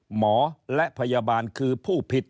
หมอและพยาบาลคือผู้ผิด